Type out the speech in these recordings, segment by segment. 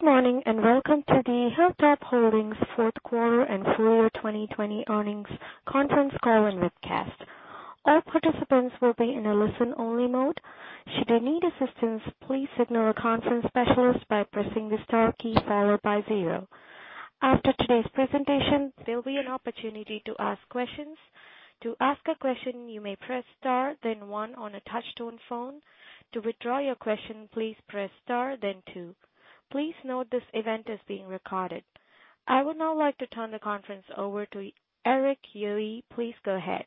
Good morning, and welcome to the Hilltop Holdings Fourth Quarter and Full Year 2020 Earnings Conference Call and Webcast. All participants will be in a listen-only mode. Should you need assistance please signal our conference specialist by pressing the star key followed by zero. After today's presentation, there'll be an opportunity to ask questions. To ask a question you may press star then one on your touch-tone phone, to withdraw your question please press star then two. Please note this event is being recorded. I would now like to turn the conference over to Erik Yohe. Please go ahead.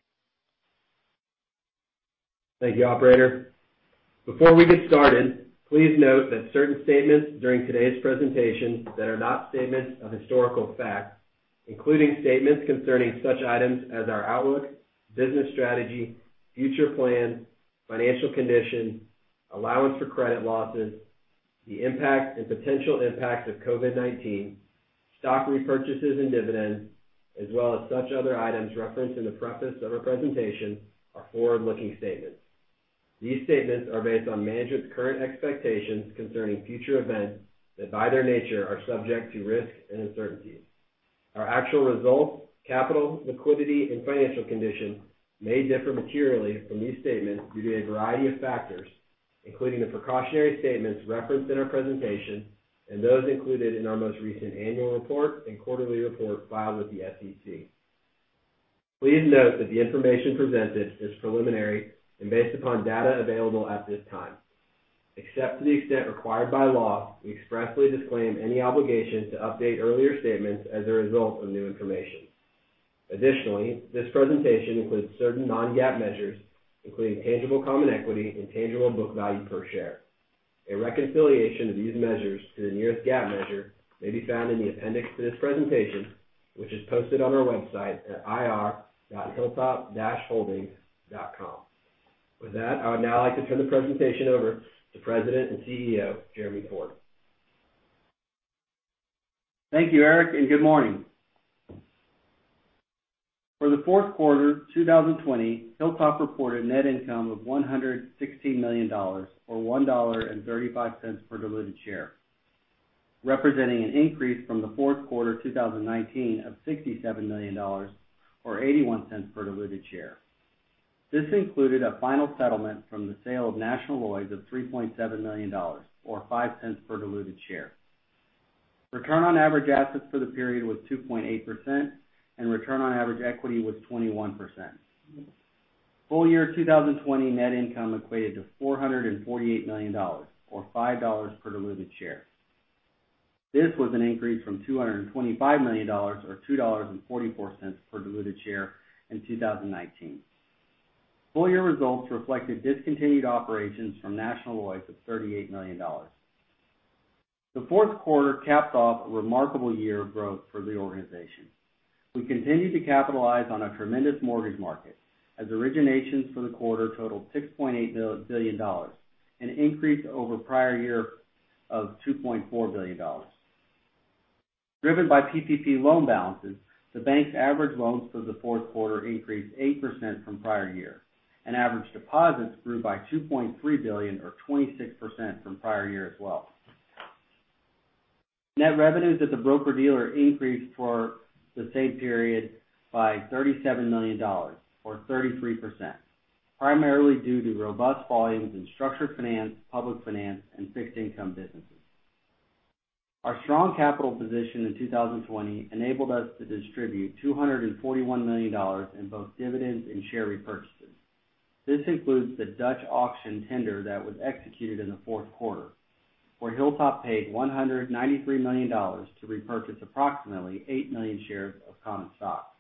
Thank you, operator. Before we get started, please note that certain statements during today's presentation that are not statements of historical fact, including statements concerning such items as our outlook, business strategy, future plans, financial condition, allowance for credit losses, the impact and potential impact of COVID-19, stock repurchases and dividends, as well as such other items referenced in the preface of our presentation, are forward-looking statements. These statements are based on management's current expectations concerning future events that, by their nature, are subject to risks and uncertainties. Our actual results, capital, liquidity, and financial condition may differ materially from these statements due to a variety of factors, including the precautionary statements referenced in our presentation and those included in our most recent annual report and quarterly report filed with the SEC. Please note that the information presented is preliminary and based upon data available at this time. Except to the extent required by law, we expressly disclaim any obligation to update earlier statements as a result of new information. Additionally, this presentation includes certain non-GAAP measures, including tangible common equity and tangible book value per share. A reconciliation of these measures to the nearest GAAP measure may be found in the appendix to this presentation, which is posted on our website at ir.hilltop-holdings.com. With that, I would now like to turn the presentation over to President and CEO, Jeremy Ford. Thank you, Erik, and good morning. For the fourth quarter 2020, Hilltop reported net income of $116 million, or $1.35 per diluted share, representing an increase from the fourth quarter 2019 of $67 million, or $0.81 per diluted share. This included a final settlement from the sale of National Lloyds of $3.7 million, or $0.05 per diluted share. Return on average assets for the period was 2.8%, and return on average equity was 21%. Full year 2020 net income equated to $448 million or $5 per diluted share. This was an increase from $225 million or $2.44 per diluted share in 2019. Full-year results reflected discontinued operations from National Lloyds of $38 million. The fourth quarter capped off a remarkable year of growth for the organization. We continued to capitalize on a tremendous mortgage market as originations for the quarter totaled $6.8 billion, an increase over prior year of $2.4 billion. Driven by PPP loan balances, the bank's average loans for the fourth quarter increased 8% from prior year, and average deposits grew by $2.3 billion or 26% from prior year as well. Net revenues at the broker-dealer increased for the same period by $37 million or 33%, primarily due to robust volumes in structured finance, public finance, and fixed income businesses. Our strong capital position in 2020 enabled us to distribute $241 million in both dividends and share repurchases. This includes the Dutch auction tender that was executed in the fourth quarter, where Hilltop paid $193 million to repurchase approximately 8 million shares of common stock.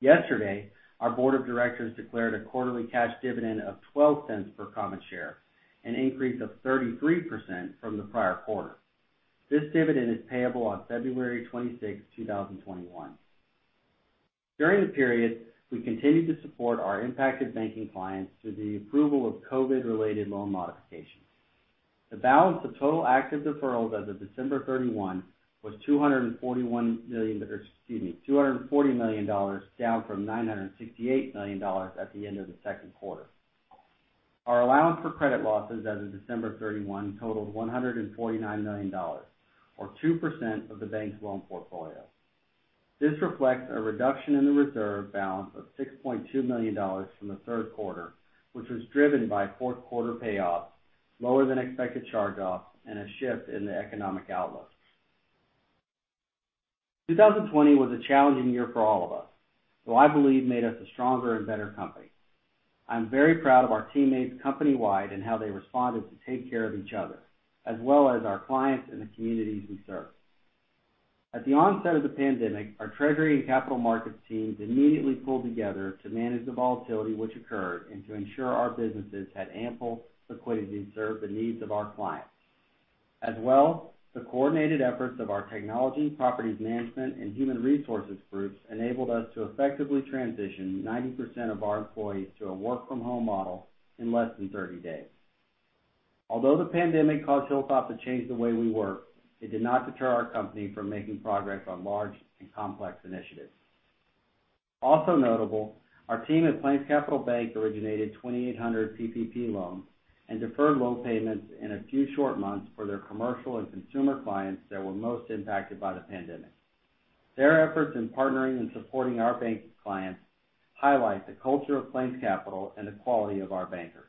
Yesterday, our board of directors declared a quarterly cash dividend of $0.12 per common share, an increase of 33% from the prior quarter. This dividend is payable on February 26, 2021. During the period, we continued to support our impacted banking clients through the approval of COVID-related loan modifications. The balance of total active deferrals as of December 31 was $240 million, down from $968 million at the end of the second quarter. Our allowance for credit losses as of December 31 totaled $149 million, or 2% of the bank's loan portfolio. This reflects a reduction in the reserve balance of $6.2 million from the third quarter, which was driven by fourth quarter payoffs, lower than expected charge-offs, and a shift in the economic outlook. 2020 was a challenging year for all of us, though I believe made us a stronger and better company. I'm very proud of our teammates company-wide and how they responded to take care of each other, as well as our clients and the communities we serve. At the onset of the pandemic, our treasury and capital markets teams immediately pulled together to manage the volatility which occurred and to ensure our businesses had ample liquidity to serve the needs of our clients. As well, the coordinated efforts of our technology, properties management, and human resources groups enabled us to effectively transition 90% of our employees to a work-from-home model in less than 30 days. Although the pandemic caused Hilltop to change the way we work, it did not deter our company from making progress on large and complex initiatives. Also notable, our team at PlainsCapital Bank originated 2,800 PPP loans and deferred loan payments in a few short months for their commercial and consumer clients that were most impacted by the pandemic. Their efforts in partnering and supporting our bank clients highlight the culture of PlainsCapital and the quality of our bankers.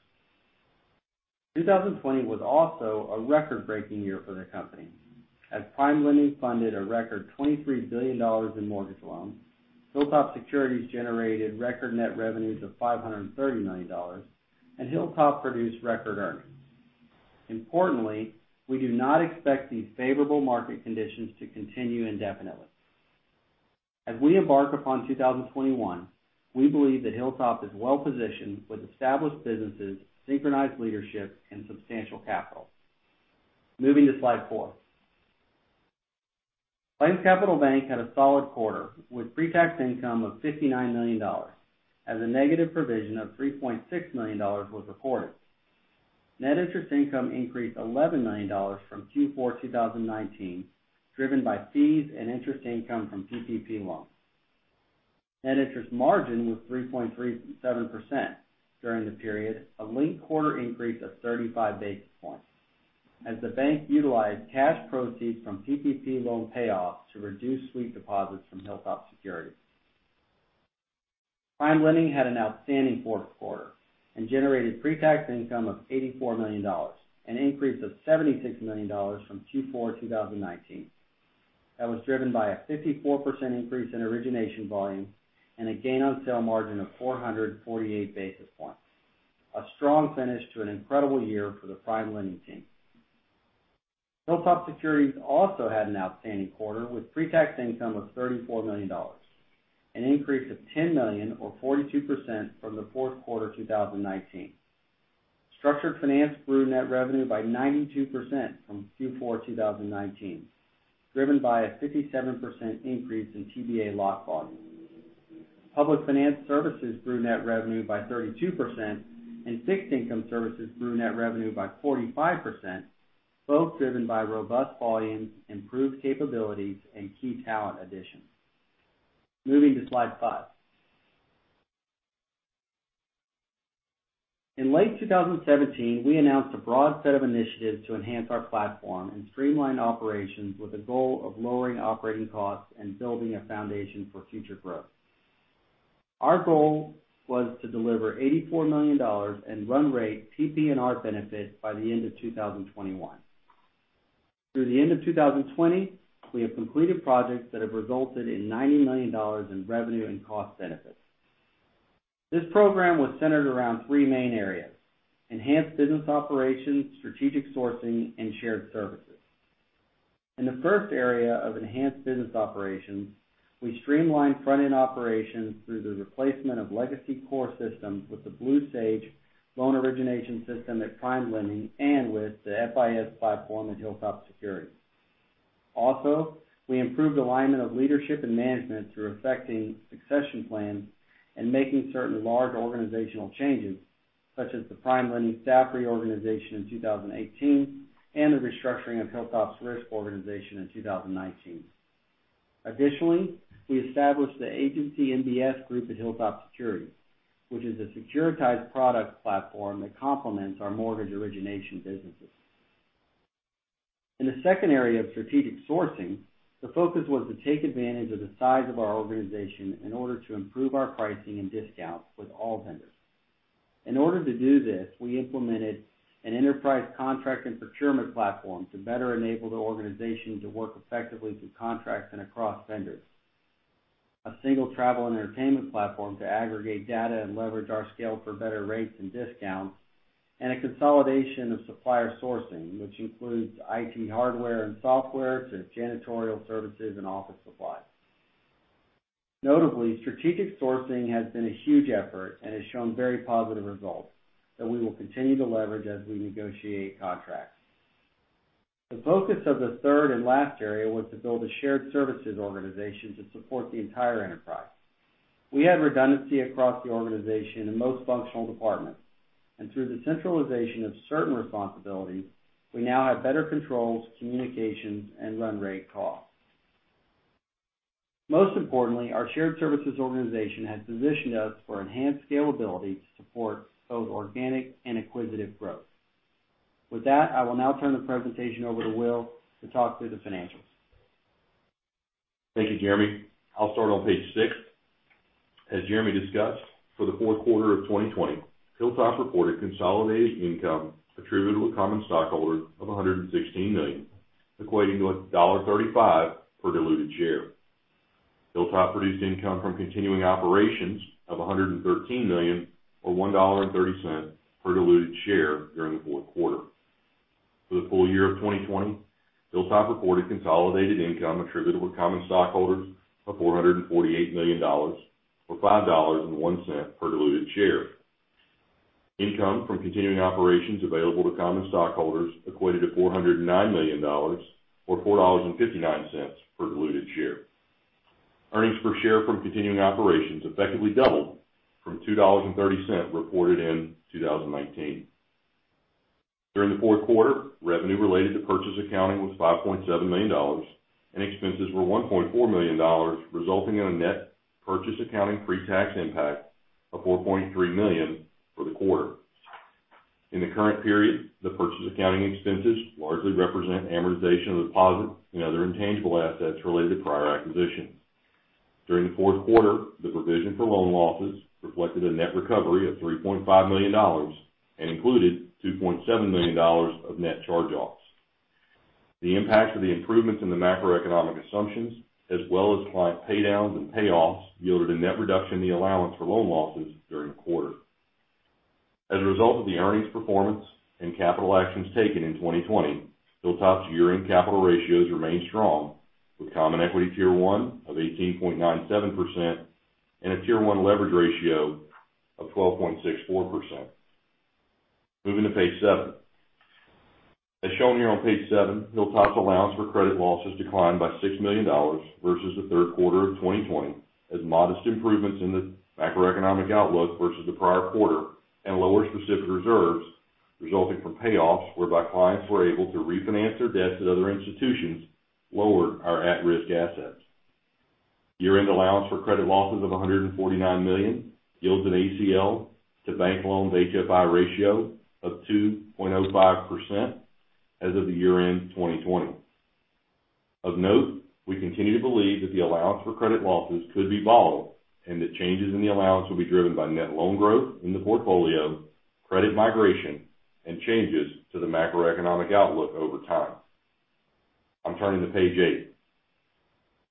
2020 was also a record-breaking year for the company, as PrimeLending funded a record $23 billion in mortgage loans. Hilltop Securities generated record net revenues of $530 million, and Hilltop produced record earnings. Importantly, we do not expect these favorable market conditions to continue indefinitely. As we embark upon 2021, we believe that Hilltop is well-positioned with established businesses, synchronized leadership, and substantial capital. Moving to slide four. PlainsCapital Bank had a solid quarter, with pre-tax income of $59 million, as a negative provision of $3.6 million was recorded. Net interest income increased $11 million from Q4 2019, driven by fees and interest income from PPP loans. Net interest margin was 3.37% during the period, a linked-quarter increase of 35 basis points, as the bank utilized cash proceeds from PPP loan payoffs to reduce sweep deposits from Hilltop Securities. PrimeLending had an outstanding fourth quarter and generated pre-tax income of $84 million, an increase of $76 million from Q4 2019. That was driven by a 54% increase in origination volume and a gain on sale margin of 448 basis points. A strong finish to an incredible year for the PrimeLending team. Hilltop Securities also had an outstanding quarter, with pre-tax income of $34 million, an increase of $10 million or 42% from the fourth quarter 2019. Structured Finance grew net revenue by 92% from Q4 2019, driven by a 57% increase in TBA lock volume. Public Finance Services grew net revenue by 32%, and Fixed Income Services grew net revenue by 45%, both driven by robust volumes, improved capabilities, and key talent additions. Moving to slide five. In late 2017, we announced a broad set of initiatives to enhance our platform and streamline operations with the goal of lowering operating costs and building a foundation for future growth. Our goal was to deliver $84 million in run rate PPNR benefit by the end of 2021. Through the end of 2020, we have completed projects that have resulted in $90 million in revenue and cost benefits. This program was centered around three main areas: enhanced business operations, strategic sourcing, and shared services. In the first area of enhanced business operations, we streamlined front-end operations through the replacement of legacy core systems with the Blue Sage loan origination system at PrimeLending and with the FIS platform at Hilltop Securities. Also, we improved alignment of leadership and management through effecting succession plans and making certain large organizational changes, such as the PrimeLending staff reorganization in 2018 and the restructuring of Hilltop's risk organization in 2019. Additionally, we established the agency MBS group at Hilltop Securities, which is a securitized product platform that complements our mortgage origination businesses. In the second area of strategic sourcing, the focus was to take advantage of the size of our organization in order to improve our pricing and discounts with all vendors. In order to do this, we implemented an enterprise contract and procurement platform to better enable the organization to work effectively through contracts and across vendors. A single travel and entertainment platform to aggregate data and leverage our scale for better rates and discounts, and a consolidation of supplier sourcing, which includes IT hardware and software to janitorial services and office supplies. Notably, strategic sourcing has been a huge effort and has shown very positive results that we will continue to leverage as we negotiate contracts. The focus of the third and last area was to build a shared services organization to support the entire enterprise. We had redundancy across the organization in most functional departments, and through the centralization of certain responsibilities, we now have better controls, communications, and run rate costs. Most importantly, our shared services organization has positioned us for enhanced scalability to support both organic and acquisitive growth. With that, I will now turn the presentation over to Will to talk through the financials. Thank you, Jeremy. I'll start on page six. As Jeremy discussed, for the fourth quarter of 2020, Hilltop reported consolidated income attributable to common stockholders of $116 million, equating to $1.35 per diluted share. Hilltop produced income from continuing operations of $113 million, or $1.30 per diluted share during the fourth quarter. For the full year of 2020, Hilltop reported consolidated income attributable to common stockholders of $448 million, or $5.01 per diluted share. Income from continuing operations available to common stockholders equated to $409 million, or $4.59 per diluted share. Earnings per share from continuing operations effectively doubled from $2.30 reported in 2019. During the fourth quarter, revenue related to purchase accounting was $5.7 million, and expenses were $1.4 million, resulting in a net purchase accounting pretax impact of $4.3 million for the quarter. In the current period, the purchase accounting expenses largely represent amortization of deposit and other intangible assets related to prior acquisitions. During the fourth quarter, the provision for loan losses reflected a net recovery of $3.5 million and included $2.7 million of net charge-offs. The impact of the improvements in the macroeconomic assumptions, as well as client paydowns and payoffs, yielded a net reduction in the allowance for loan losses during the quarter. As a result of the earnings performance and capital actions taken in 2020, Hilltop's year-end capital ratios remain strong, with common equity Tier 1 of 18.97% and a Tier 1 leverage ratio of 12.64%. Moving to page seven. As shown here on page seven, Hilltop's allowance for credit losses declined by $6 million versus the third quarter of 2020, as modest improvements in the macroeconomic outlook versus the prior quarter and lower specific reserves resulting from payoffs, whereby clients were able to refinance their debts at other institutions, lowered our at-risk assets. Year-end allowance for credit losses of $149 million yields an ACL to bank loans HFI ratio of 2.05% as of the year-end 2020. Of note, we continue to believe that the allowance for credit losses could be volatile and that changes in the allowance will be driven by net loan growth in the portfolio, credit migration, and changes to the macroeconomic outlook over time. I'm turning to page eight.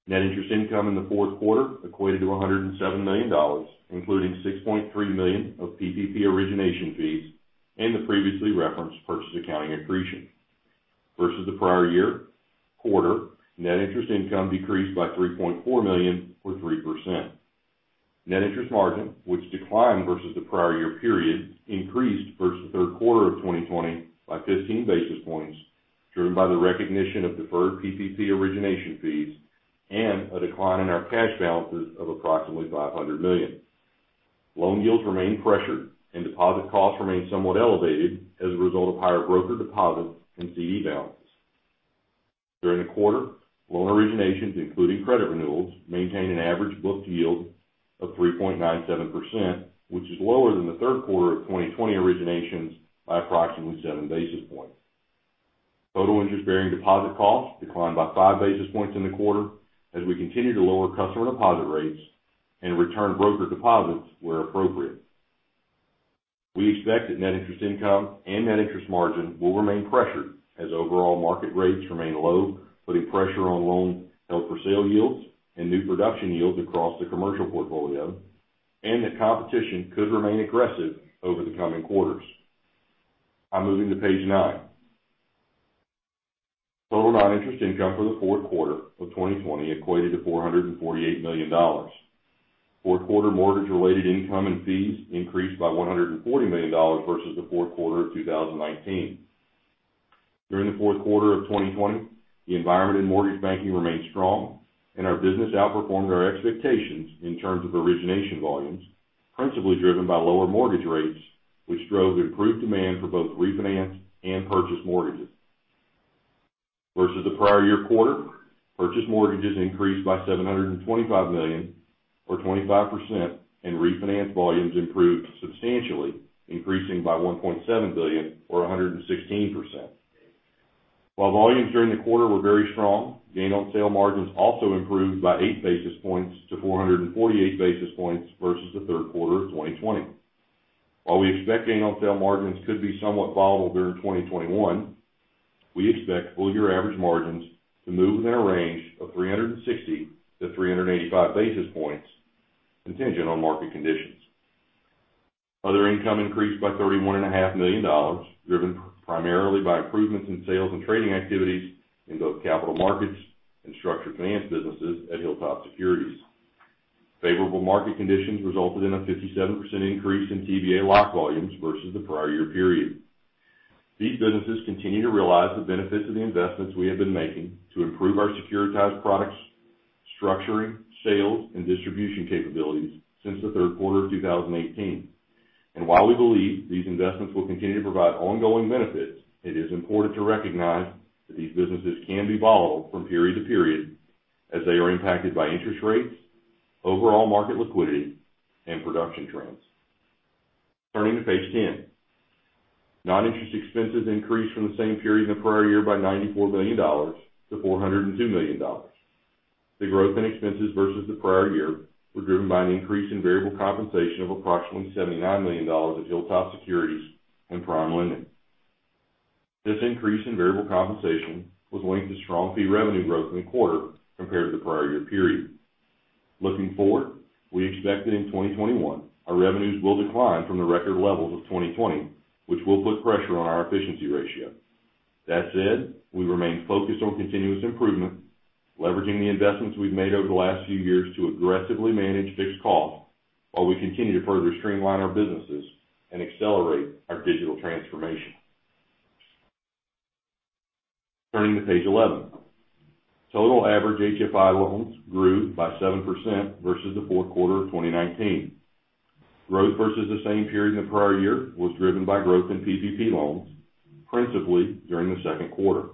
Net interest income in the fourth quarter equated to $107 million, including $6.3 million of PPP origination fees and the previously referenced purchase accounting accretion. Versus the prior year quarter, net interest income decreased by $3.4 million or 3%. Net interest margin, which declined versus the prior year period, increased versus the third quarter of 2020 by 15 basis points, driven by the recognition of deferred PPP origination fees and a decline in our cash balances of approximately $500 million. Loan yields remain pressured and deposit costs remain somewhat elevated as a result of higher broker deposits and CD balances. During the quarter, loan originations, including credit renewals, maintained an average booked yield of 3.97%, which is lower than the third quarter of 2020 originations by approximately seven basis points. Total interest-bearing deposit costs declined by five basis points in the quarter, as we continue to lower customer deposit rates and return broker deposits where appropriate. We expect that net interest income and net interest margin will remain pressured as overall market rates remain low, putting pressure on loan held-for-sale yields and new production yields across the commercial portfolio, and that competition could remain aggressive over the coming quarters. I'm moving to page nine. Total non-interest income for the fourth quarter of 2020 equated to $448 million. Fourth quarter mortgage-related income and fees increased by $140 million versus the fourth quarter of 2019. During the fourth quarter of 2020, the environment in mortgage banking remained strong and our business outperformed our expectations in terms of origination volumes, principally driven by lower mortgage rates, which drove improved demand for both refinance and purchase mortgages. Versus the prior year quarter, purchase mortgages increased by $725 million or 25%, and refinance volumes improved substantially, increasing by $1.7 billion or 116%. While volumes during the quarter were very strong, gain on sale margins also improved by 8 basis points to 448 basis points versus the third quarter of 2020. While we expect gain on sale margins could be somewhat volatile during 2021, we expect full year average margins to move in a range of 360-385 basis points, contingent on market conditions. Other income increased by $31.5 million, driven primarily by improvements in sales and trading activities in both capital markets and structured finance businesses at Hilltop Securities. Favorable market conditions resulted in a 57% increase in TBA lock volumes versus the prior year period. These businesses continue to realize the benefits of the investments we have been making to improve our securitized products, structuring, sales, and distribution capabilities since the third quarter of 2018. While we believe these investments will continue to provide ongoing benefits, it is important to recognize that these businesses can be volatile from period to period, as they are impacted by interest rates, overall market liquidity, and production trends. Turning to page 10. Non-interest expenses increased from the same period in the prior year by $94 to 402 million. The growth in expenses versus the prior year were driven by an increase in variable compensation of approximately $79 million at Hilltop Securities and PrimeLending. This increase in variable compensation was linked to strong fee revenue growth in the quarter compared to the prior year period. Looking forward, we expect that in 2021, our revenues will decline from the record levels of 2020, which will put pressure on our efficiency ratio. That said, we remain focused on continuous improvement, leveraging the investments we've made over the last few years to aggressively manage fixed costs while we continue to further streamline our businesses and accelerate our digital transformation. Turning to page 11. Total average HFI loans grew by 7% versus the fourth quarter of 2019. Growth versus the same period in the prior year was driven by growth in PPP loans, principally during the second quarter.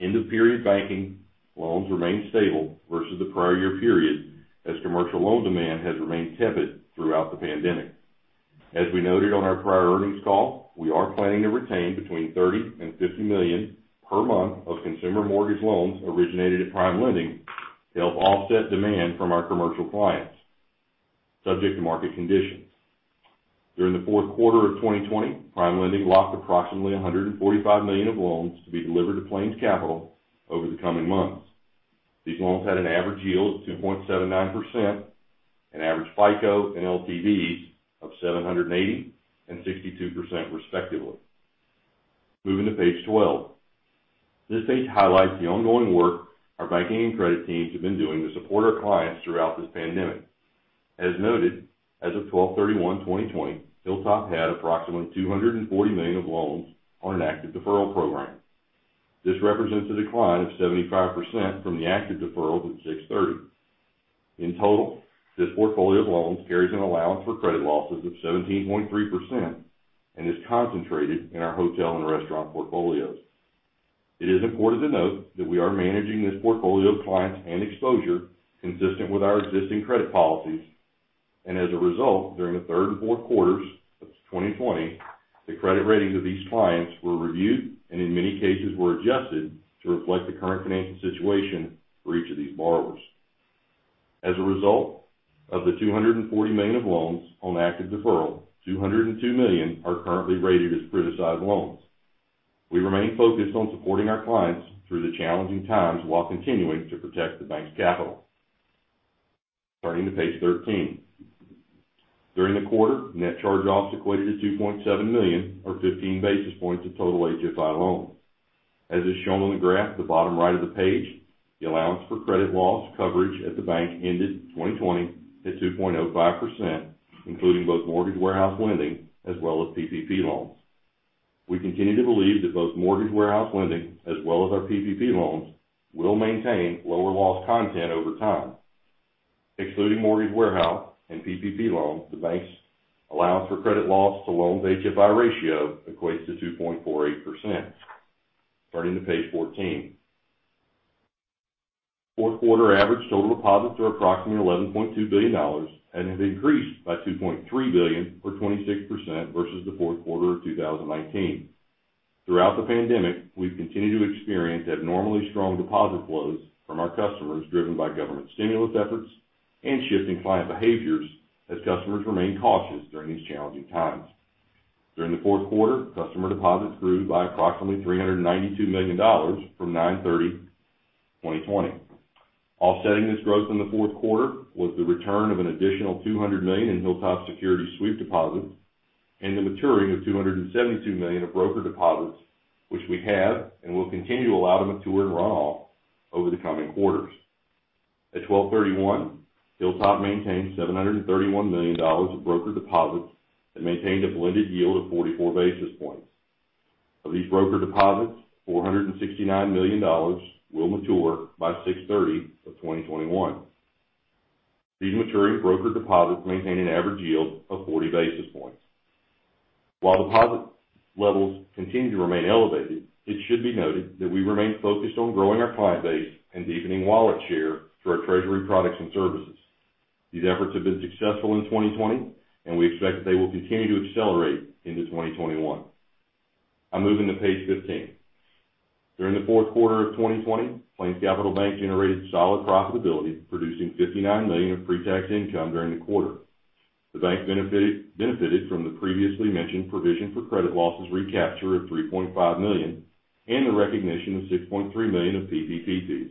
End-of-period banking loans remained stable versus the prior year period, as commercial loan demand has remained tepid throughout the pandemic. As we noted on our prior earnings call, we are planning to retain between $30 million and $50 million per month of consumer mortgage loans originated at PrimeLending to help offset demand from our commercial clients, subject to market conditions. During the fourth quarter of 2020, PrimeLending locked approximately $145 million of loans to be delivered to PlainsCapital over the coming months. These loans had an average yield of 2.79%, and average FICO and LTVs of 780 and 62%, respectively. Moving to page 12. This page highlights the ongoing work our banking and credit teams have been doing to support our clients throughout this pandemic. As noted, as of 12/31/2020, Hilltop had approximately $240 million of loans on an active deferral program. This represents a decline of 75% from the active deferrals at 6/30. In total, this portfolio of loans carries an allowance for credit losses of 17.3% and is concentrated in our hotel and restaurant portfolios. It is important to note that we are managing this portfolio of clients and exposure consistent with our existing credit policies. As a result, during the third and fourth quarters of 2020, the credit ratings of these clients were reviewed, and in many cases were adjusted to reflect the current financial situation for each of these borrowers. As a result of the $240 million of loans on active deferral, $202 million are currently rated as criticized loans. We remain focused on supporting our clients through the challenging times while continuing to protect the bank's capital. Turning to page 13. During the quarter, net charge-offs equated to $2.7 million, or 15 basis points of total HFI loans. As is shown on the graph at the bottom right of the page, the allowance for credit loss coverage at the bank ended 2020 at 2.05%, including both mortgage warehouse lending as well as PPP loans. We continue to believe that both mortgage warehouse lending as well as our PPP loans will maintain lower loss content over time. Excluding mortgage warehouse and PPP loans, the bank's allowance for credit loss to loans HFI ratio equates to 2.48%. Turning to page 14. Fourth quarter average total deposits are approximately $11.2 billion and have increased by $2.3 billion, or 26%, versus the fourth quarter of 2019. Throughout the pandemic, we've continued to experience abnormally strong deposit flows from our customers, driven by government stimulus efforts and shifting client behaviors as customers remain cautious during these challenging times. During the fourth quarter, customer deposits grew by approximately $392 million from 9/30/2020. Offsetting this growth in the fourth quarter was the return of an additional $200 million in Hilltop Securities sweep deposits and the maturing of $272 million of broker deposits, which we have and will continue to allow to mature and run off over the coming quarters. At 12/31, Hilltop maintained $731 million of broker deposits that maintained a blended yield of 44 basis points. Of these broker deposits, $469 million will mature by 6/30 of 2021. These maturing broker deposits maintain an average yield of 40 basis points. While deposit levels continue to remain elevated, it should be noted that we remain focused on growing our client base and deepening wallet share through our treasury products and services. These efforts have been successful in 2020, and we expect that they will continue to accelerate into 2021. I'm moving to page 15. During the fourth quarter of 2020, PlainsCapital Bank generated solid profitability, producing $59 million of pre-tax income during the quarter. The bank benefited from the previously mentioned provision for credit losses recapture of $3.5 million and the recognition of $6.3 million of PPP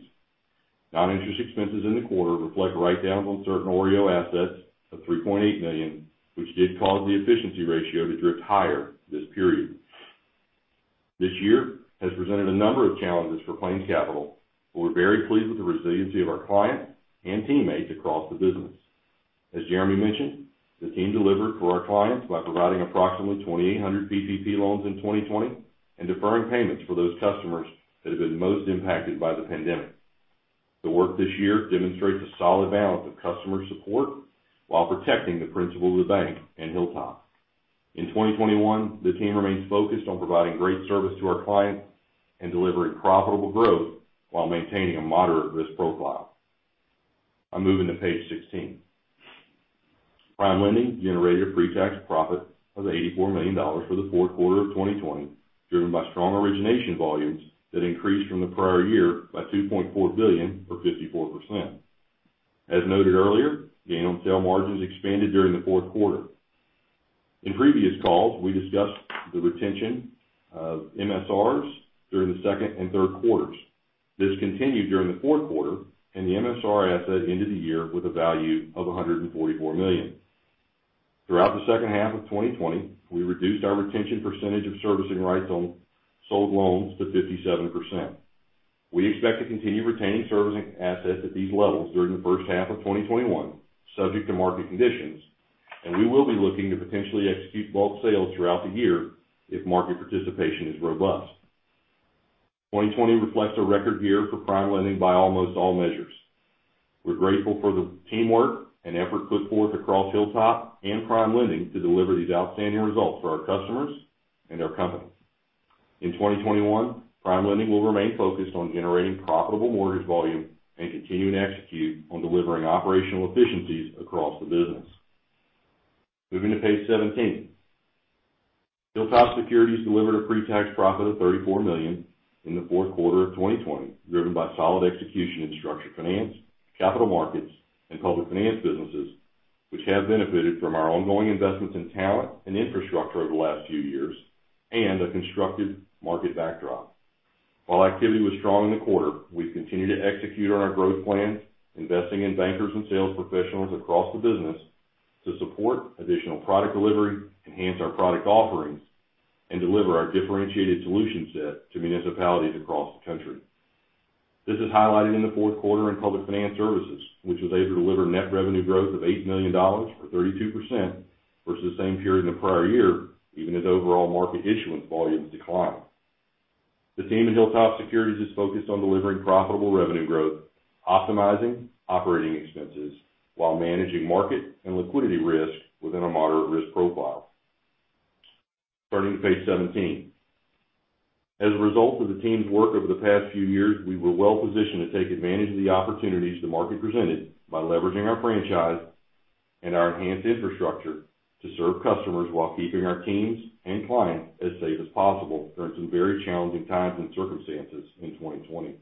fees. Non-interest expenses in the quarter reflect write-downs on certain OREO assets of $3.8 million, which did cause the efficiency ratio to drift higher this period. This year has presented a number of challenges for PlainsCapital, but we're very pleased with the resiliency of our clients and teammates across the business. As Jeremy mentioned, the team delivered for our clients by providing approximately 2,800 PPP loans in 2020 and deferring payments for those customers that have been most impacted by the pandemic. The work this year demonstrates a solid balance of customer support while protecting the principle of the bank and Hilltop. In 2021, the team remains focused on providing great service to our clients and delivering profitable growth while maintaining a moderate risk profile. I'm moving to page 16. PrimeLending generated a pre-tax profit of $84 million for the fourth quarter of 2020, driven by strong origination volumes that increased from the prior year by $2.4 billion, or 54%. As noted earlier, gain on sale margins expanded during the fourth quarter. In previous calls, we discussed the retention of MSRs during the second and third quarters. This continued during the fourth quarter, and the MSR asset ended the year with a value of $144 million. Throughout the second half of 2020, we reduced our retention percentage of servicing rights on sold loans to 57%. We expect to continue retaining servicing assets at these levels during the first half of 2021, subject to market conditions, we will be looking to potentially execute bulk sales throughout the year if market participation is robust. 2020 reflects a record year for PrimeLending by almost all measures. We're grateful for the teamwork and effort put forth across Hilltop and PrimeLending to deliver these outstanding results for our customers and our company. In 2021, PrimeLending will remain focused on generating profitable mortgage volume and continuing to execute on delivering operational efficiencies across the business. Moving to page 17. Hilltop Securities delivered a pre-tax profit of $34 million in the fourth quarter of 2020, driven by solid execution in structured finance, capital markets, and public finance businesses, which have benefited from our ongoing investments in talent and infrastructure over the last few years, and a constructive market backdrop. While activity was strong in the quarter, we've continued to execute on our growth plan, investing in bankers and sales professionals across the business to support additional product delivery, enhance our product offerings, and deliver our differentiated solution set to municipalities across the country. This is highlighted in the fourth quarter in public finance services, which was able to deliver net revenue growth of $8 million, or 32%, versus the same period in the prior year, even as overall market issuance volumes declined. The team at Hilltop Securities is focused on delivering profitable revenue growth, optimizing operating expenses, while managing market and liquidity risk within a moderate risk profile. Turning to page 17. As a result of the team's work over the past few years, we were well-positioned to take advantage of the opportunities the market presented by leveraging our franchise and our enhanced infrastructure to serve customers while keeping our teams and clients as safe as possible during some very challenging times and circumstances in 2020.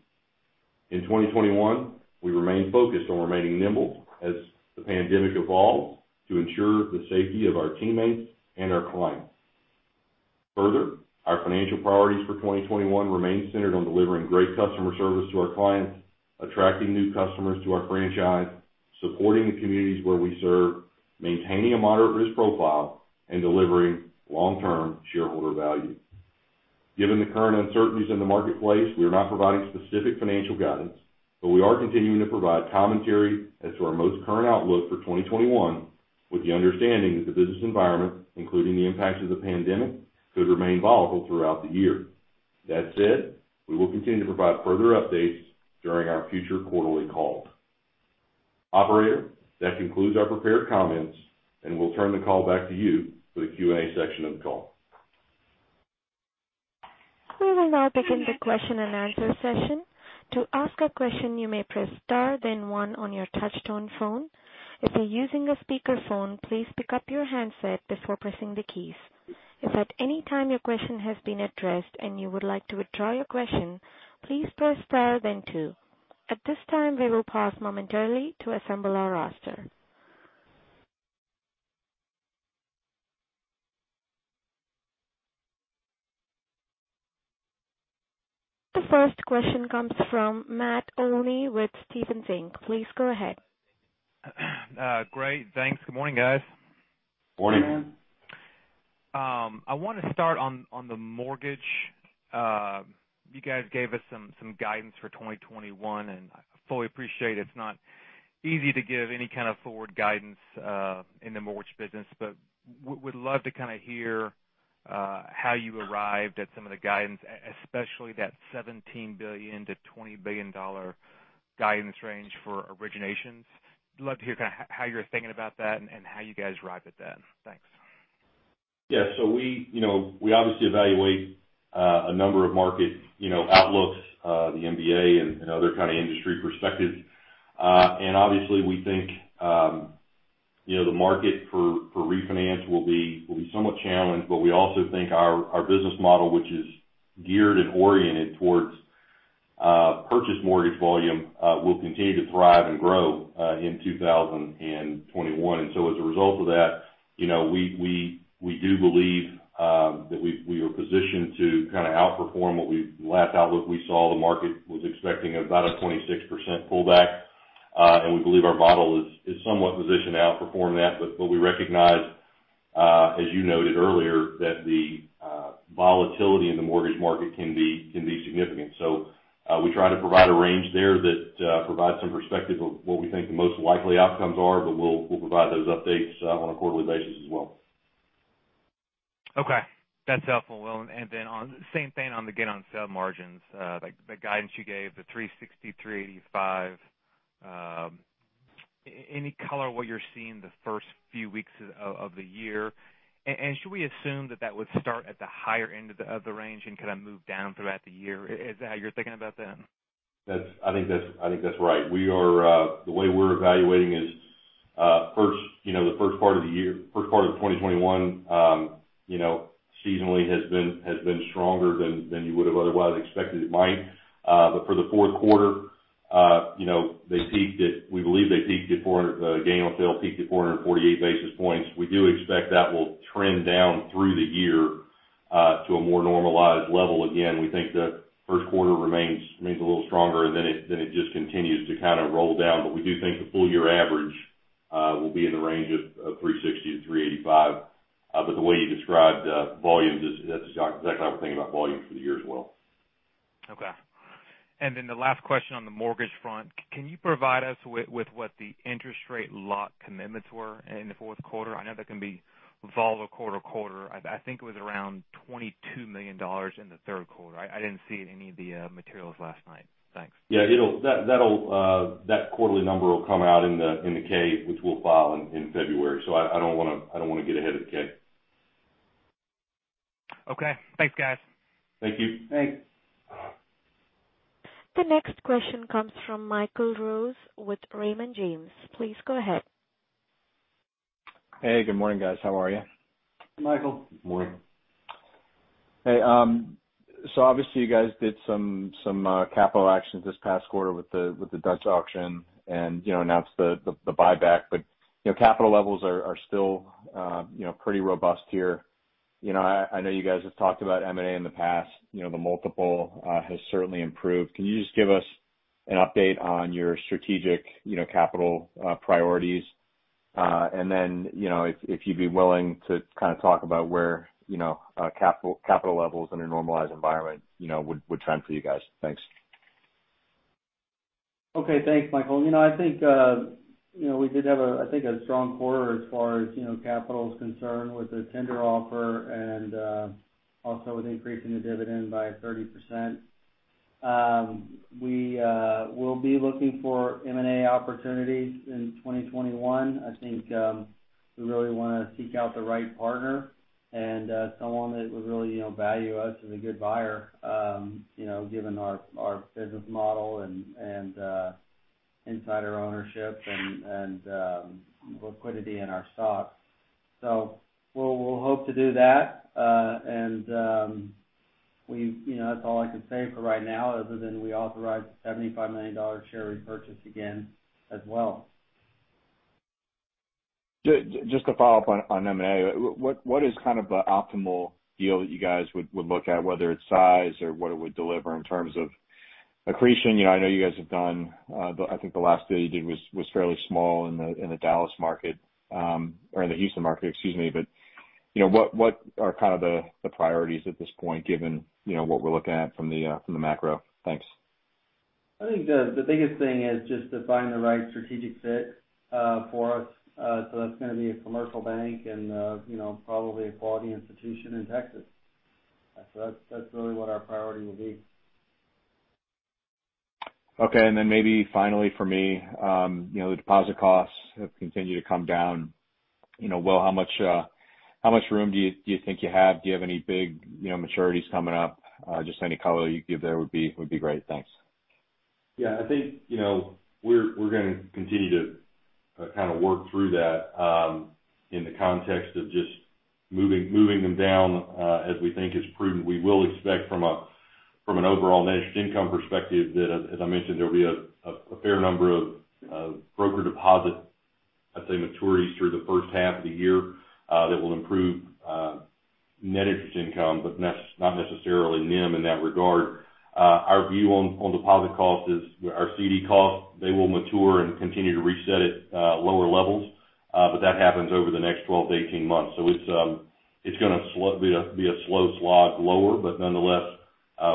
In 2021, we remain focused on remaining nimble as the pandemic evolves to ensure the safety of our teammates and our clients. Further, our financial priorities for 2021 remain centered on delivering great customer service to our clients, attracting new customers to our franchise, supporting the communities where we serve, maintaining a moderate risk profile, and delivering long-term shareholder value. Given the current uncertainties in the marketplace, we are not providing specific financial guidance, but we are continuing to provide commentary as to our most current outlook for 2021, with the understanding that the business environment, including the impact of the pandemic, could remain volatile throughout the year. That said, we will continue to provide further updates during our future quarterly calls. Operator, that concludes our prepared comments, and we'll turn the call back to you for the Q&A section of the call. We will now begin the question and answer session to ask a question you may press star then one on your telephone keypad. If you are using a speaker phone please pick up your handset before pressing the keys. If at any time your question has been addressed and you would like to withdraw your question please press star then two. At this time we will pause momentarily to assemble our roster. The first question comes from Matt Olney with Stephens Inc. Please go ahead. Great. Thanks. Good morning, guys. Morning. I want to start on the mortgage. You guys gave us some guidance for 2021, and I fully appreciate it's not easy to give any kind of forward guidance in the mortgage business, but would love to kind of hear how you arrived at some of the guidance, especially that $17 billion-$20 billion guidance range for originations. Love to hear kind of how you're thinking about that and how you guys arrived at that. Thanks. Yeah. We obviously evaluate a number of market outlooks, the MBA, and other kind of industry perspectives. Obviously, we think the market for refinance will be somewhat challenged, but we also think our business model, which is geared and oriented towards purchase mortgage volume, will continue to thrive and grow in 2021. As a result of that, we do believe that we are positioned to kind of outperform. The last outlook we saw, the market was expecting about a 26% pullback, and we believe our model is somewhat positioned to outperform that. We recognize, as you noted earlier, that the volatility in the mortgage market can be significant. We try to provide a range there that provides some perspective of what we think the most likely outcomes are, but we'll provide those updates on a quarterly basis as well. Okay. That's helpful. Well, then same thing on the gain-on-sale margins. The guidance you gave, the 360, 385. Any color what you're seeing the first few weeks of the year? Should we assume that that would start at the higher end of the range and kind of move down throughout the year? Is that how you're thinking about that? I think that's right. The way we're evaluating is the first part of the year, first part of 2021 seasonally has been stronger than you would have otherwise expected it might. For the fourth quarter, we believe gain on sale peaked at 448 basis points. We do expect that will trend down through the year to a more normalized level. Again, we think the first quarter remains a little stronger, and then it just continues to kind of roll down. We do think the full-year average will be in the range of 360-385. The way you described volumes, that's exactly how I'm thinking about volumes for the year as well. Okay. The last question on the mortgage front, can you provide us with what the interest rate lock commitments were in the fourth quarter? I know that can be volatile quarter to quarter. I think it was around $22 million in the third quarter. I didn't see it in any of the materials last night. Thanks. Yeah, that quarterly number will come out in the K, which we'll file in February. I don't want to get ahead of the K. Okay. Thanks, guys. Thank you. Thanks. The next question comes from Michael Rose with Raymond James. Please go ahead. Hey, good morning, guys. How are you? Michael. Good morning. Obviously you guys did some capital actions this past quarter with the Dutch auction and announced the buyback. Capital levels are still pretty robust here. I know you guys have talked about M&A in the past, the multiple has certainly improved. Can you just give us an update on your strategic capital priorities? If you'd be willing to kind of talk about where capital levels in a normalized environment would trend for you guys. Thanks. Okay. Thanks, Michael. I think we did have, I think, a strong quarter as far as capital is concerned with the tender offer and also with increasing the dividend by 30%. We'll be looking for M&A opportunities in 2021. I think we really want to seek out the right partner and someone that would really value us as a good buyer, given our business model and insider ownership and liquidity in our stock. We'll hope to do that. That's all I can say for right now, other than we authorized a $75 million share repurchase again as well. Just to follow up on M&A, what is kind of the optimal deal that you guys would look at, whether it's size or what it would deliver in terms of accretion? I know you guys, I think the last deal you did was fairly small in the Dallas market, or in the Houston market, excuse me, but what are kind of the priorities at this point, given what we're looking at from the macro? Thanks. I think the biggest thing is just to find the right strategic fit for us. That's going to be a commercial bank and probably a quality institution in Texas. That's really what our priority will be. Okay, maybe finally for me, the deposit costs have continued to come down. Will, how much room do you think you have? Do you have any big maturities coming up? Just any color you can give there would be great. Thanks. Yeah, I think, we're going to continue to kind of work through that, in the context of just moving them down as we think is prudent. We will expect from an overall managed income perspective that, as I mentioned, there will be a fair number of broker deposit, I'd say, maturities through the first half of the year that will improve net interest income, but not necessarily NIM in that regard. Our view on deposit costs is our CD costs, they will mature and continue to reset at lower levels. That happens over the next 12-18 months. It's going to be a slow slog lower, but nonetheless,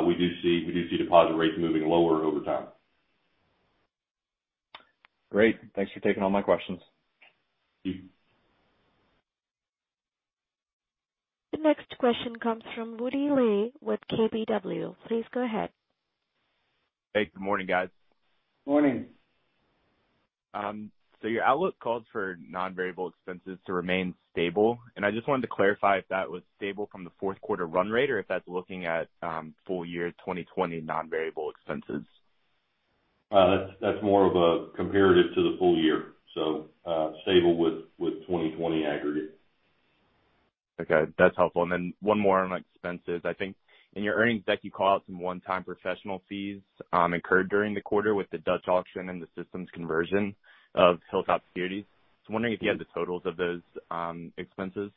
we do see deposit rates moving lower over time. Great. Thanks for taking all my questions. Thank you. The next question comes from Woody Lay with KBW. Please go ahead. Hey, good morning, guys. Morning. Your outlook called for non-variable expenses to remain stable, and I just wanted to clarify if that was stable from the fourth quarter run rate or if that's looking at full year 2020 non-variable expenses? That's more of a comparative to the full year. Stable with 2020 aggregate. Okay, that's helpful. One more on expenses. I think in your earnings deck, you called out some one-time professional fees incurred during the quarter with the Dutch auction and the systems conversion of Hilltop Securities. I'm wondering if you had the totals of those expenses.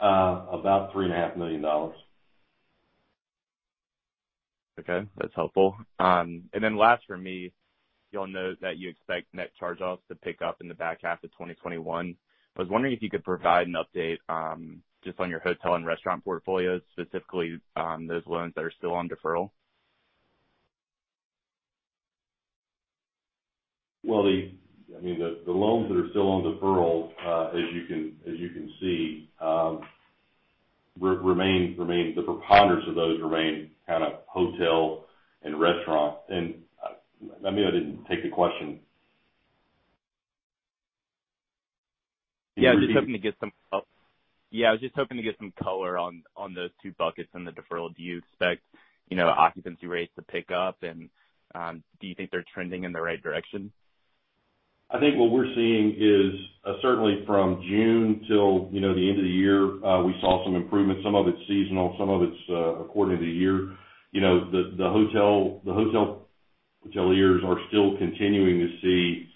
About $3.5 million. Okay, that's helpful. Last for me, you all note that you expect net charge-offs to pick up in the back half of 2021. I was wondering if you could provide an update, just on your hotel and restaurant portfolios, specifically those loans that are still on deferral. Well, the loans that are still on deferral, as you can see, the preponderance of those remain kind of hotel and restaurant. Maybe I didn't take the question. Yeah, I was just hoping to get some color on those two buckets in the deferral. Do you expect occupancy rates to pick up? Do you think they're trending in the right direction? I think what we're seeing is, certainly from June till the end of the year, we saw some improvement. Some of it's seasonal, some of it's according to the year. The hoteliers are still continuing to see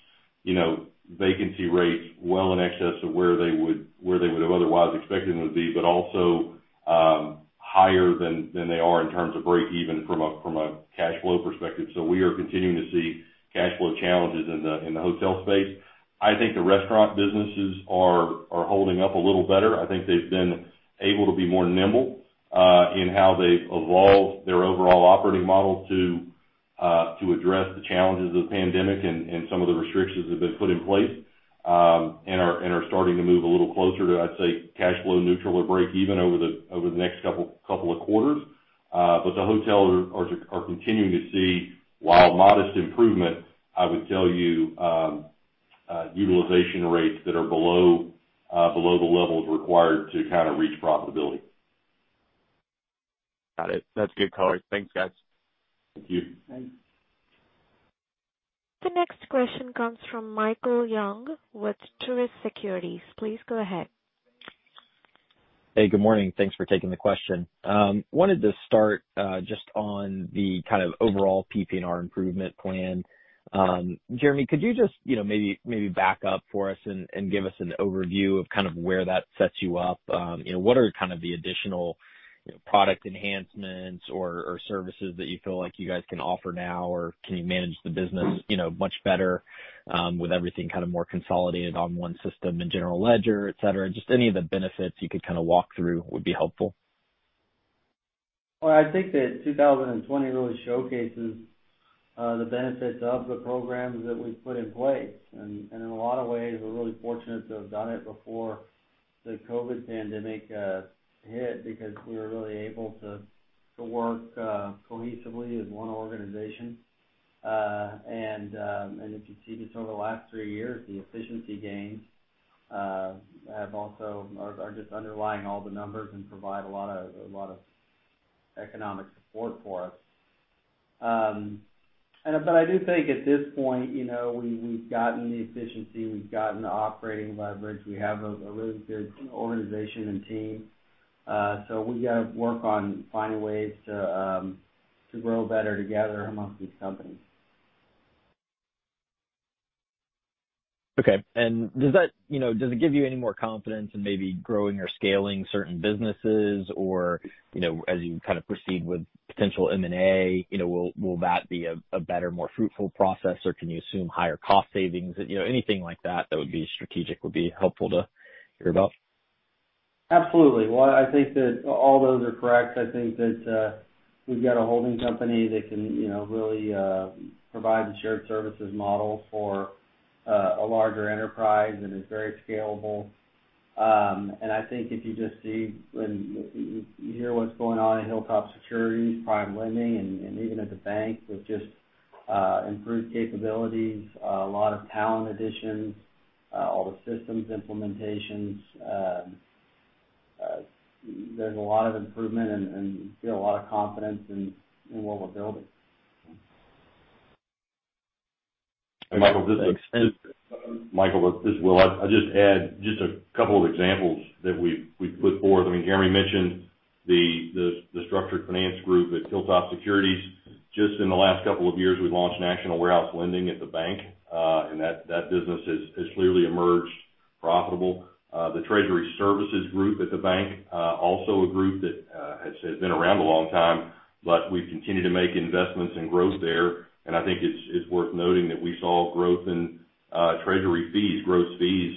vacancy rates well in excess of where they would have otherwise expected them to be, but also higher than they are in terms of breakeven from a cash flow perspective. We are continuing to see cash flow challenges in the hotel space. I think the restaurant businesses are holding up a little better. I think they've been able to be more nimble in how they've evolved their overall operating model to address the challenges of the pandemic and some of the restrictions that have been put in place, and are starting to move a little closer to, I'd say, cash flow neutral or breakeven over the next couple of quarters. The hotels are continuing to see, while modest improvement, I would tell you, utilization rates that are below the levels required to reach profitability. Got it. That's good color. Thanks, guys. Thank you. Thanks. The next question comes from Michael Young with Truist Securities. Please go ahead. Hey, good morning. Thanks for taking the question. Wanted to start just on the kind of overall PPNR improvement plan. Jeremy, could you just maybe back up for us and give us an overview of where that sets you up? What are the additional product enhancements or services that you feel like you guys can offer now? Can you manage the business much better with everything more consolidated on one system in general ledger, et cetera? Just any of the benefits you could walk through would be helpful. Well, I think that 2020 really showcases the benefits of the programs that we've put in place. In a lot of ways, we're really fortunate to have done it before the COVID pandemic hit, because we were really able to work cohesively as one organization. If you've seen this over the last three years, the efficiency gains are just underlying all the numbers and provide a lot of economic support for us. I do think at this point, we've gotten the efficiency, we've gotten the operating leverage, we have a really good organization and team. We've got to work on finding ways to grow better together amongst these companies. Okay. Does it give you any more confidence in maybe growing or scaling certain businesses or, as you proceed with potential M&A, will that be a better, more fruitful process, or can you assume higher cost savings? Anything like that that would be strategic would be helpful to hear about. Absolutely. Well, I think that all those are correct. I think that we've got a holding company that can really provide the shared services model for a larger enterprise, and is very scalable. I think if you just hear what's going on in Hilltop Securities, PrimeLending, and even at the bank with just improved capabilities, a lot of talent additions, all the systems implementations. There's a lot of improvement, and you feel a lot of confidence in what we're building. Michael, this is Will. I'd just add just a couple of examples that we've put forth. Jeremy mentioned the structured finance group at Hilltop Securities. Just in the last couple of years, we've launched national warehouse lending at the bank. That business has clearly emerged profitable. The treasury services group at the bank, also a group that has been around a long time, but we've continued to make investments in growth there. I think it's worth noting that we saw growth in treasury fees, gross fees,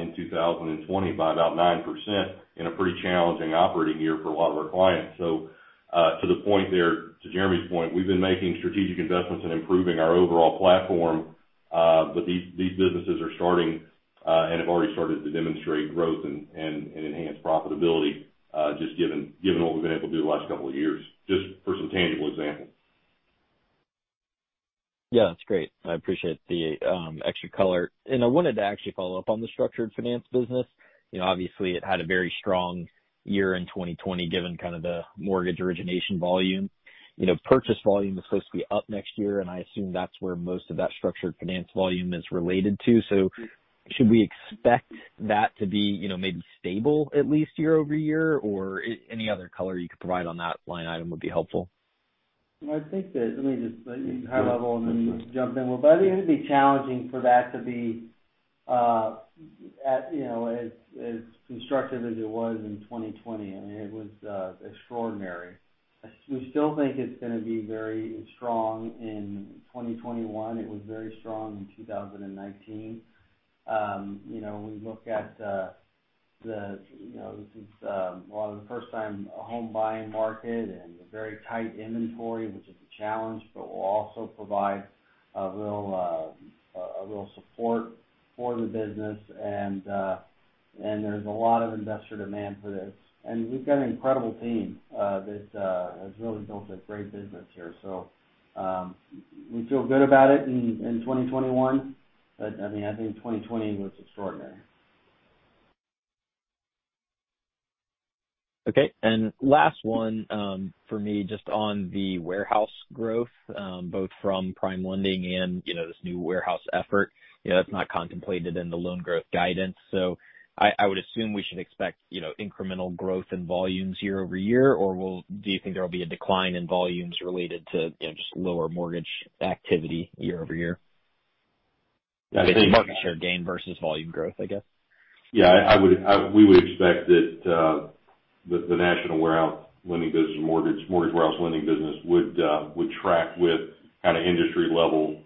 in 2020 by about 9% in a pretty challenging operating year for a lot of our clients. To the point there, to Jeremy's point, we've been making strategic investments in improving our overall platform. These businesses are starting and have already started to demonstrate growth and enhanced profitability, just given what we've been able to do the last couple of years. Just for some tangible examples. Yeah, that's great. I appreciate the extra color. I wanted to actually follow up on the structured finance business. Obviously, it had a very strong year in 2020, given the mortgage origination volume. Purchase volume is supposed to be up next year, and I assume that's where most of that structured finance volume is related to. Should we expect that to be maybe stable at least year-over-year? Or any other color you could provide on that line item would be helpful. Let me just high level and then jump in. I think it'd be challenging for that to be as constructive as it was in 2020. I mean, it was extraordinary. We still think it's going to be very strong in 2021. It was very strong in 2019. We look at this is, well, the first time a home buying market and a very tight inventory, which is a challenge, but will also provide a real support for the business. There's a lot of investor demand for this. We've got an incredible team that has really built a great business here. We feel good about it in 2021. I think 2020 was extraordinary. Okay. Last one for me, just on the warehouse growth, both from PrimeLending and this new warehouse effort. That's not contemplated in the loan growth guidance. I would assume we should expect incremental growth in volumes year-over-year, or do you think there will be a decline in volumes related to just lower mortgage activity year-over-year? Market share gain versus volume growth, I guess. Yeah, we would expect that the national warehouse lending business mortgage warehouse lending business would track with industry level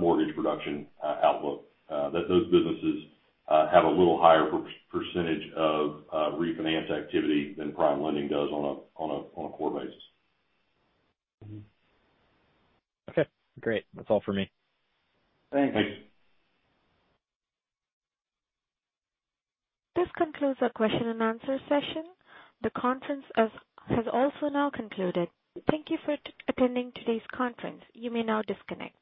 mortgage production outlook. Those businesses have a little higher percentage of refinance activity than PrimeLending does on a core basis. Okay, great. That's all for me. Thank you. Thank you. This concludes our question and answer session. The conference has also now concluded. Thank you for attending today's conference. You may now disconnect.